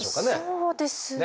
そうですね。